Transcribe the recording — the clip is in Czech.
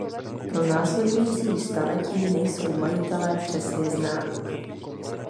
Pro následující staletí nejsou majitelé přesně známi.